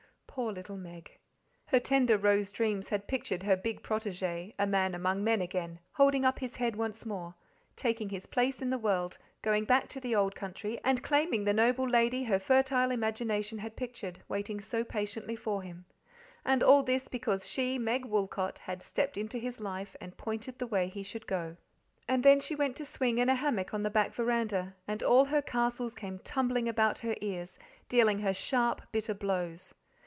Poor little Meg! Her tender rose dreams had pictured her big protege a man among men again, holding up his head once more, taking his place in the world, going back to the old country, and claiming the noble lady her fertile imagination had pictured; waiting so patiently for him; and all this because she, Meg Woolcot, had stepped into his life and pointed the way he should go. And then she went to swing in a hammock on the back veranda, and all her castles came tumbling about her ears, dealing her sharp, bitter blows.